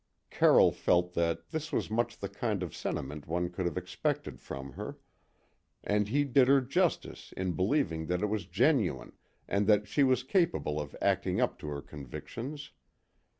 Carroll felt that this was much the kind of sentiment one could have expected from her; and he did her justice in believing that it was genuine and that she was capable of acting up to her convictions.